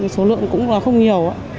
số lượng cũng là không nhiều ạ